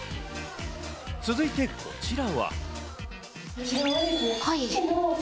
続いてこちらは。